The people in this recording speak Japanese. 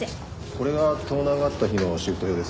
これが盗難があった日のシフト表です。